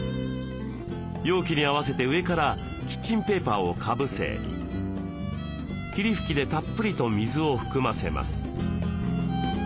容器に合わせて上からキッチンペーパーをかぶせ霧吹きでたっぷりと水を含ませます。